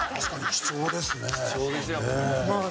貴重ですよ。